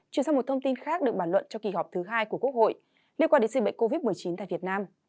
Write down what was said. chuyển sang một thông tin khác được bản luận cho kỳ họp thứ hai của quốc hội liên quan đến dịch bệnh covid một mươi chín tại việt nam